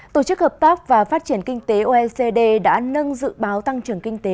tổ chức hợp tác và phát triển kinh tế oecd đã nâng dự báo tăng trưởng kinh tế